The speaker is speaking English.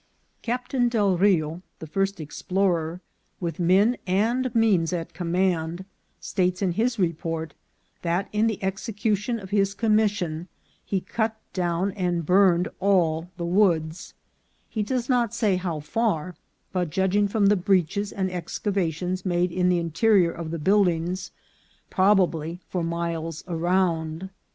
Captain Del Rio, the first explorer, with men and means at command, states in his report, that in the ex ecution of his commission he cut down and burned all the woods ; he does not say how far, but, judging from the breaches and excavations made in the interior of the buildings, probably for miles around.